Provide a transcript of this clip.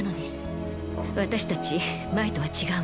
私たち前とは違うの。